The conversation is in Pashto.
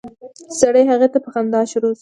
سړی هغې ته په خندا شروع شو.